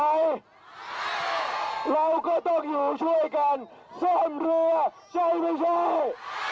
เราก็ต้องอยู่ช่วยกันซ่อมเรือใช่ไม่ใช่